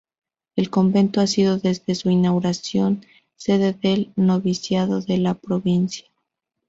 El convento ha sido desde su inauguración sede del noviciado de la provincia.